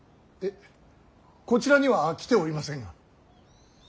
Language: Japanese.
えっこちらには来ておりませんが。